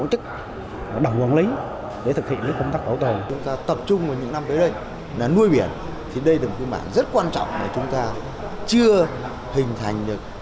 thì đây là một khu mạng rất quan trọng mà chúng ta chưa hình thành được